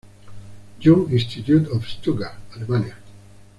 Jung Institute de Stuttgart", Alemania.